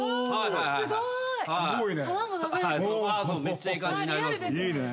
めっちゃいい感じになりますんで。